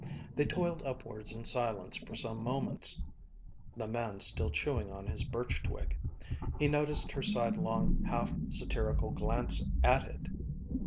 They toiled upwards in silence for some moments, the man still chewing on his birch twig. He noticed her sidelong half satirical glance at it.